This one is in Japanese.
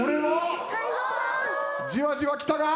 じわじわきたが。